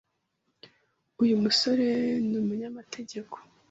Uyu musore ni umunyamategeko.